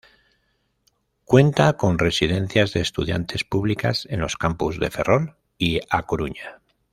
Cuenta con residencias de estudiantes públicas en los campus de Ferrol y A Coruña.